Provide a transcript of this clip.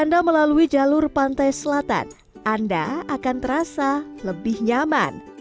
anda melalui jalur pantai selatan anda akan terasa lebih nyaman